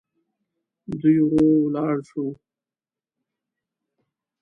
دی ورو ولاړ شو.